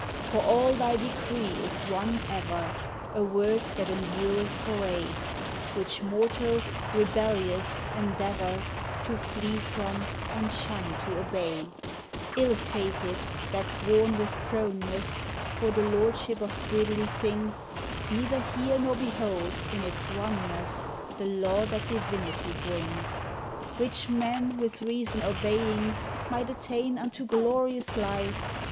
For all thy decree is one ever — a Word that en dureth for aye. Which mortals, rebellious, endeavor to flee from and shun to obey — Ill fated, that, worn with proneness for the lord ship of goodly things, Neither hear nor behold, in its oneness, the law that divinity brings; Which men with reason obeying, might attain unto glorious life.